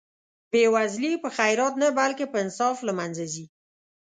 بې وزلي په خیرات نه بلکې په انصاف له منځه ځي.